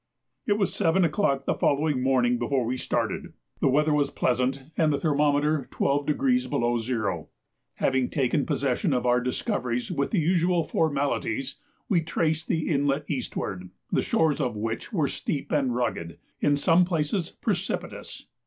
It was 7 o'clock the following morning before we started. The weather was pleasant, and the thermometer 12° below zero. Having taken possession of our discoveries with the usual formalities, we traced the inlet eastward, the shores of which were steep and rugged, in some places precipitous.